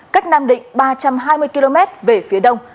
cách nam định ba trăm hai mươi km về phía đông